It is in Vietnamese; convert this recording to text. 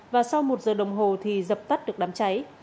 và sau một giờ đồng hồ thì dập tắt được đám cháy